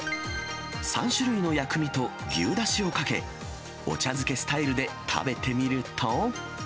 ３種類の薬味と牛だしをかけ、お茶漬けスタイルで食べてみると。